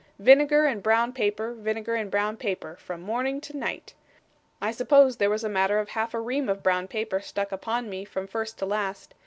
Vinegar and brown paper, vinegar and brown paper, from morning to night. I suppose there was a matter of half a ream of brown paper stuck upon me, from first to last.